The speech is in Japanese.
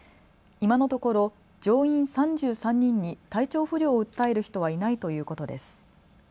今のところ乗員３３人に体調不良を訴える人はいないということです。